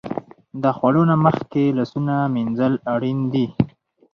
د خوړو نه مخکې لاسونه مینځل اړین دي.